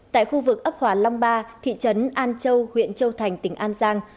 tại khu vực ấp hòa long ba thị trấn an châu huyện châu thành tỉnh an giang